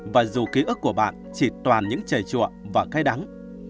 và dù ký ức của bạn chỉ toàn những trẻ chuộng và cay đắng